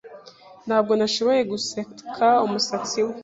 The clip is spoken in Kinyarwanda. Ntabwo nashoboye guseka umusatsi we.